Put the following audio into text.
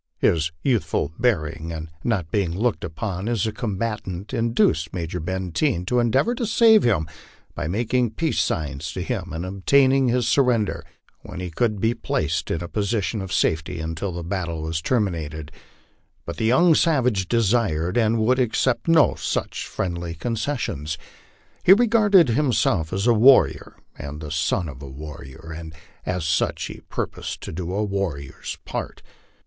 His youthful bearing, and not being looked upon as a combatant, induced Major Benteen to endeavor to save him by making "peace signs" to him and obtaining his surrender, when he could be placed in a position of safety until the battle was terminated ; but the young savage desired and would accept no such friendly concessions. He regarded himself as a warrior, and the son of a warrior, and as such he purposed to do a warrior's part.